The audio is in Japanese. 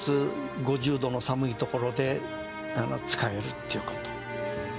５０度の寒い所で使えるということ。